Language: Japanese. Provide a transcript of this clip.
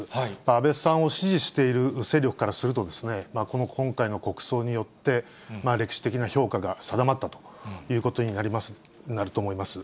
安倍さんを支持している勢力からすると、この今回の国葬によって、歴史的な評価が定まったということになると思います。